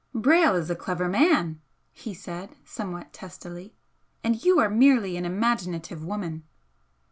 "Brayle is a clever man," he said, somewhat testily, "And you are merely an imaginative woman."